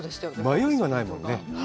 迷いがないもんね。